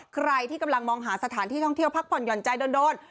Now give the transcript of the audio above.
ใครที่กำลังมองหาสถานที่ท่องเที่ยวพักผ่อนหย่อนใจโดน